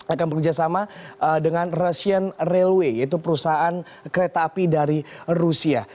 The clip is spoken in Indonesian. akan bekerja sama dengan russian railway yaitu perusahaan kereta api dari rusia